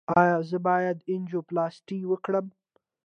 ایا زه باید انجیوپلاسټي وکړم؟